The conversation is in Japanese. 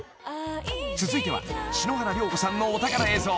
［続いては篠原涼子さんのお宝映像］